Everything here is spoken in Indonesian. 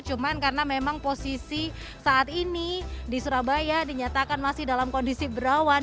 cuma karena memang posisi saat ini di surabaya dinyatakan masih dalam kondisi berawan